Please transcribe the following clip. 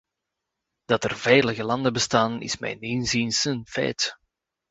Dat er veilige landen bestaan, is mijns inziens een feit.